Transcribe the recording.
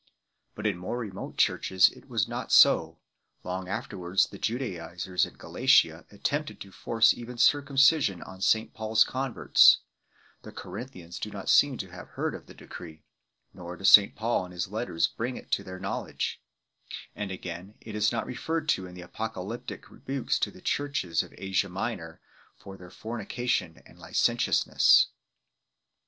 But in more re mote churches it was not so ; long afterwards the Ju daizers in Galatia attempted to force even circumcision on St Paul s converts ; the Corinthians do not seem to have heard of the decree, nor does St Paul in his letters bring it to their knowledge ; and again, it is not referred to in the Apocalyptic rebukes to the churches of Asia Minor for their fornication and licentiousness 5